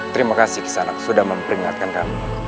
terima kasih kisah anak sudah memperingatkan kami